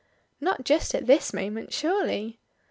"Not just at this moment surely!"